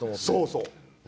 そうそう。